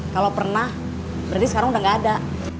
kalau pernah berarti sekarang udah gak ada